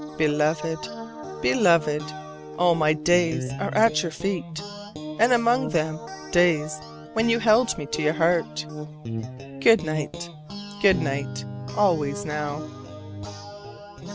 Beloved, Beloved, all my days are at your feet, and among them days when you held me to your heart. Good night; good night always now!